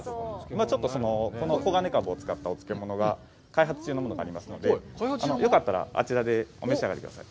ちょっと黄金カブを使ったお漬物が、開発中のものがありますので、よかったら、あちらでお召し上がりください。